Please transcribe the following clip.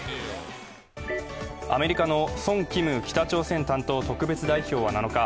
アメリカのソン・キム北朝鮮担当特別代表は７日